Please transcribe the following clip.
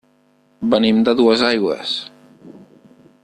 Venim de Duesaigües.